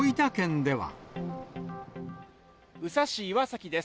宇佐市岩崎です。